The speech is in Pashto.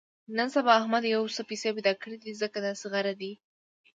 نن سبا احمد یو څه پیسې پیدا کړې دي، ځکه داسې غره دی.